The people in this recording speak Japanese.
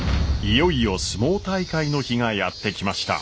いよいよ角力大会の日がやって来ました。